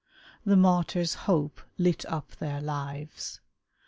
The martyr's hope lit up their lives.